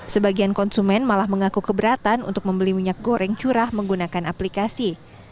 sebagian konsumen malah mengaku keberatan untuk membeli minyak goreng curah menggunakan aplikasi